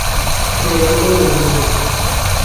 Roberto Bermúdez